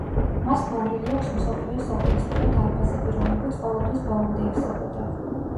მას მოვლილი აქვს მსოფლიოს საკონცერტო დარბაზები, რომლებიც ყოველთვის ბოლომდე ივსებოდა.